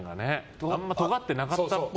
あんまりとがってなかったぽい。